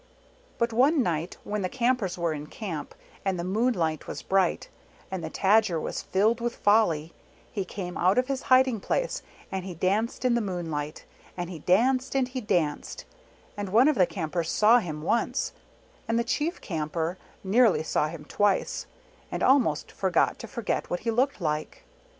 But one night, when the Campers were in Camp and the moonlight was bright, and the Tajar was filled with folly, he came out of his hiding place, and he danced in the moonlight, and he danced and he danced, and one of the Campers saw him once, and the Chief Camper nearly saw him twice, and almost forgot to forget what he looked like.